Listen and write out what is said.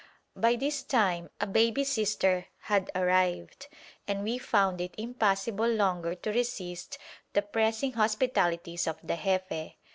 By this time a baby sister had arrived, and we found it impossible longer to resist the pressing hospitalities of the Jefe.